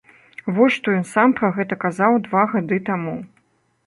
Вось што ён сам пра гэта казаў два гады таму.